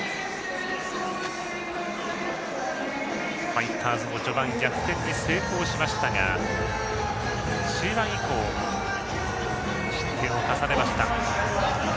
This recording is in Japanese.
ファイターズも序盤逆転に成功しましたが終盤以降、失点を重ねました。